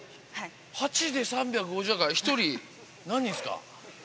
８で３５０だから、１人何人ですか？